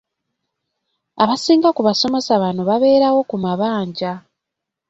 Abasinga ku basomesa bano babeerawo ku mabanja.